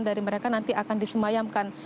dari mereka nanti akan disemayamkan